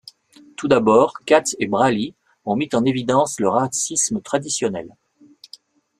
Tout d'abord, Katz et Braly ont mis en évidence le racisme traditionnel.